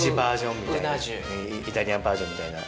イタリアンバージョンみたいな。